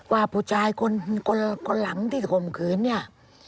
ว่าผู้ชายคนหลังที่ข่มขืนเนี่ย